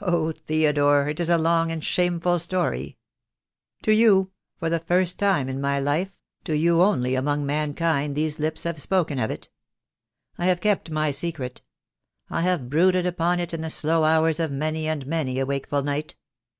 Oh, Theodore, it is a long and shameful ,story. To you — for the first time in my life — to you only among mankind these lips have spoken of it. I have kept my secret. I have brooded upon it in the slow hours of many and many a wakeful night.